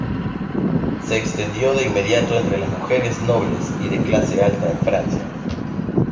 Se extendió de inmediato entre las mujeres nobles y de clase alta en Francia.